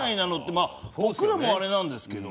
まあ僕らもあれなんですけど。